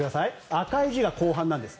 赤い字が後半なんです。